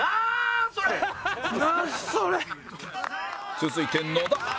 続いて野田